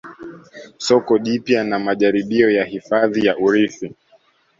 Soko jipya na majaribio ya hifadhi ya urithi